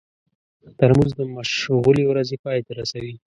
ترموز د مشغولې ورځې پای ته رسوي.